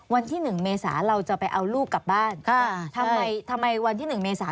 วันที่หนึ่งเมษาเราจะไปเอาลูกกลับบ้านทำไมทำไมวันที่๑เมษา